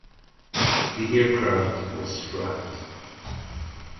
The aircraft was scrapped.